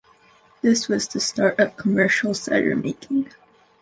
This was the start of commercial cider-making.